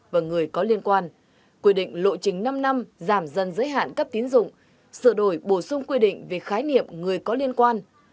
và người có liên quan quy định lộ trình năm năm giảm dần giới hạn cấp tiến dụng sửa đổi bổ sung quy định về khái niệm người có liên quan